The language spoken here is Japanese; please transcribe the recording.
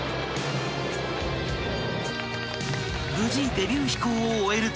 ［無事デビュー飛行を終えると］